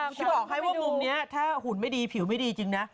จะบอกให้ว่ามุมนี้ถ้าหุ่นไม่ดีผิวไม่ดีจริงนะ